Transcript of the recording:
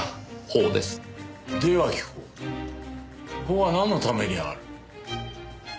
法はなんのためにある？